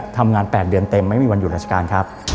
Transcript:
ทำงาน๘เดือนเต็มไม่มีวันหยุดราชการครับ